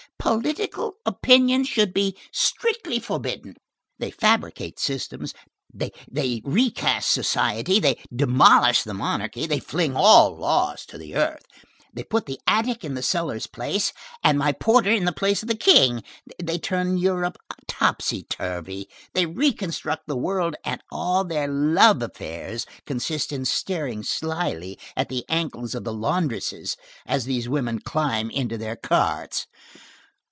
Political opinions should be strictly forbidden. They fabricate systems, they recast society, they demolish the monarchy, they fling all laws to the earth, they put the attic in the cellar's place and my porter in the place of the King, they turn Europe topsy turvy, they reconstruct the world, and all their love affairs consist in staring slily at the ankles of the laundresses as these women climb into their carts.